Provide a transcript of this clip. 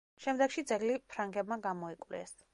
შემდეგში ძეგლი ფრანგებმა გამოიკვლიეს.